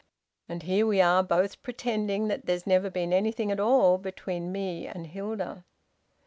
And here we are both pretending that there's never been anything at all between me and Hilda!"